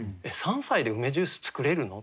「３歳で梅ジュース作れるの？」